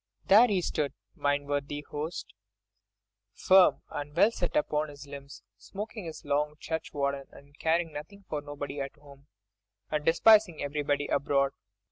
There he stood, mine worthy host, firm and well set up on his limbs, smoking his long churchwarden and caring nothing for nobody at home, and despising everybody abroad.